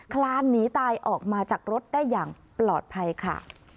คลานหนีตายออกมาจากรถได้อย่างปลอดภัยค่ะ